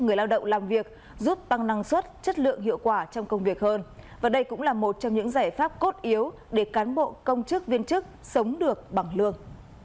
người lao động làm việc giúp tăng năng suất chất lượng hiệu quả trong công việc hơn và đây cũng là một trong những giải pháp cốt yếu để cán bộ công chức viên chức sống được bằng lương